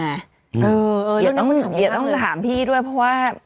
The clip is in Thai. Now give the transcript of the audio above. เดี๋ยวต้องถามพี่ด้วยเพราะว่า